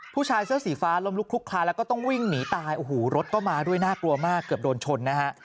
ผู้ชายเสื้อสีฟ้าล้มลุกลุกคลาแล้วก็ต้องวิ่งหนีตายโอ้โหรถก็มาด้วยน่ากลัวมากเกือบโดนชนนะฮะ